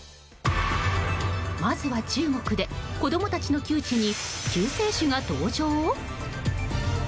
まずは中国で子供たちの窮地に救世主が登場？